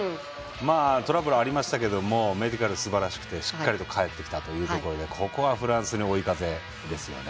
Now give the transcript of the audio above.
トラブルありましたけどメディカルすばらしくてしっかりと帰ってきたというところでここは、フランスに追い風ですね。